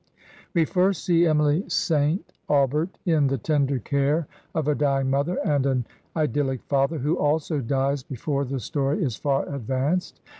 " We first see Emily St. Aubert in the tender care of a dying mother and an idyl lic father, who also dies before the story is far advanced.